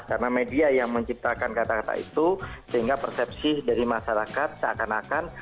karena media yang menciptakan kata kata itu sehingga persepsi dari masyarakat seakan akan